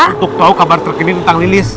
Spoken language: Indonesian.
untuk tahu kabar terkini tentang lilis